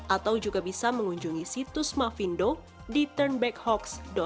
atau juga bisa mengunjungi situs mavindo di turnbackhoaks com